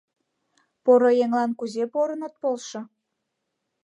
Поро еҥлан кузе порын от полшо.